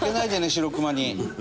シロクマに。